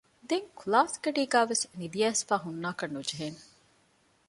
ދެން ކުލާސްގަޑީގައިވެސް ނިދިއައިސްފައި ހުންނާކަށް ނުޖެހޭނެ